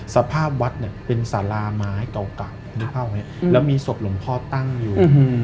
สภาพวัดเนี่ยเป็นสาราไม้เก่าแล้วมีศพหลงพ่อตั้งอยู่